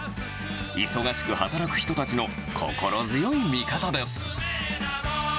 忙しく働く人たちの心強い味方です。